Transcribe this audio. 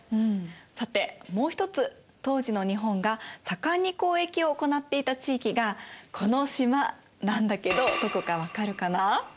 さてもう一つ当時の日本が盛んに交易を行っていた地域がこの島なんだけどどこか分かるかな？